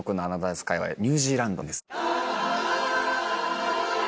スカイはニュージーランドです。